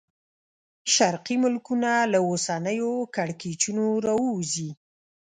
شرقي ملکونه له اوسنیو کړکېچونو راووځي.